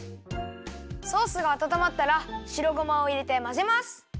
ソースがあたたまったらしろごまをいれてまぜます。